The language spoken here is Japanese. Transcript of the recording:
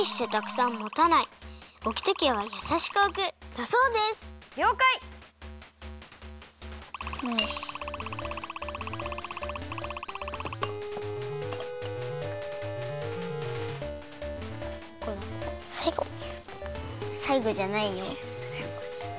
さいごじゃないよ。